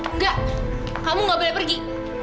enggak kamu nggak boleh pergi